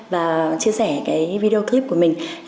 và chia sẻ cái video clip của mình